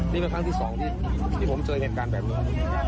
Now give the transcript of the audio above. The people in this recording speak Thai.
นี่เป็นครั้งที่สองที่ผมเจอเหตุการณ์แบบนี้